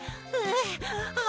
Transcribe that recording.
ああ！